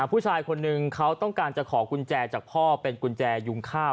ผู้ชายคนนึงเขาต้องการจะขอกุญแจจากพ่อเป็นกุญแจยุงข้าว